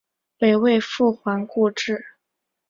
北魏复还故治。